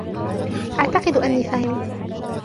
أعتقد أني فهمت.